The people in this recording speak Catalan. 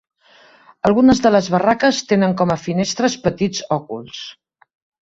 Algunes de les barraques tenen com a finestres petits òculs.